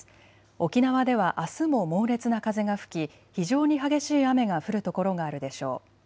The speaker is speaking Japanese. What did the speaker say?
沖縄ではあすも猛烈な風が吹き非常に激しい雨が降る所があるでしょう。